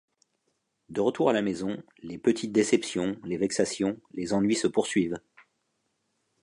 De retour à la maison, les petites déceptions, les vexations, les ennuis se poursuivent.